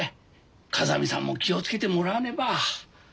風見さんも気を付けてもらわねば。